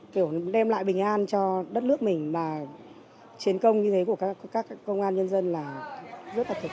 kiểu đem lại bình an cho đất nước mình mà chiến công như thế của các công an nhân dân là rất là thực tế